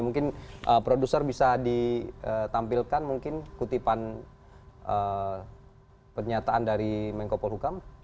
mungkin produser bisa ditampilkan mungkin kutipan pernyataan dari menko polhukam